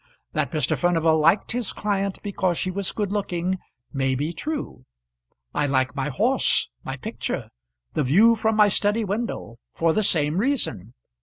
That Mr. Furnival liked his client because she was good looking may be true. I like my horse, my picture, the view from my study window for the same reason.